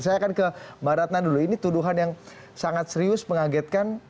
saya akan ke mbak ratna dulu ini tuduhan yang sangat serius mengagetkan